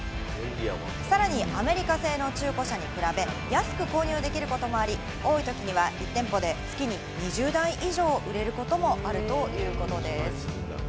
さらにアメリカ製の中古車に比べ、安く購入できることもあり、多いときには１店舗で月に２０台以上、売れることもあるということです。